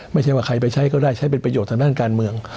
ไม่ใช่ว่าใครไปใช้ก็ได้ใช้เป็นประโยชน์ทางด้านการเมือง